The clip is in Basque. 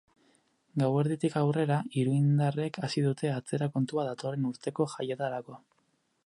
Gauerditik aurrera, iruindarrek hasi dute atzera kontua datorren urteko jaietarako.